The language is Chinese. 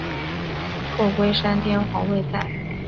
后龟山天皇在位。